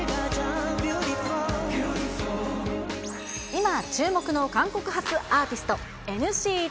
今、注目の韓国発アーティスト、ＮＣＴ。